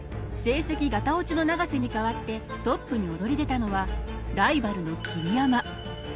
成績ガタオチの永瀬に代わってトップに躍り出たのはライバルの桐山。